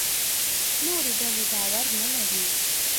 نورې ډلې باور نه لري.